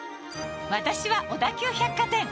私は小田急百貨店。